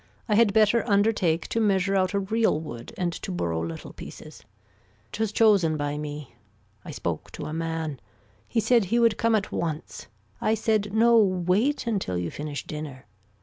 I had better undertake to measure out a real wood and to borrow little pieces. It was chosen by me. I spoke to a man. He said he would come at once. I said no wait until you finish dinner.